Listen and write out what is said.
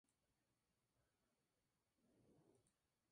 Al menú donde se selecciona el conjunto de niveles se lo denomina "Isla".